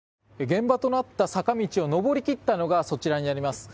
現場となった坂道を上り切ったのがそちらになります。